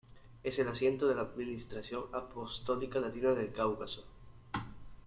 Es el asiento de la Administración Apostólica latina del Cáucaso.